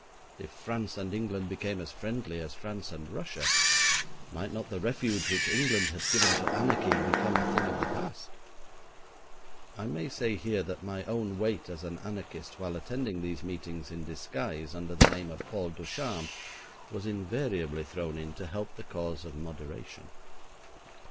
If France and England became as friendly as France and Russia, might not the refuge which England had given to anarchy become a thing of the past? I may say here that my own weight as an anarchist while attending these meetings in disguise under the name of Paul Ducharme was invariably thrown in to help the cause of moderation.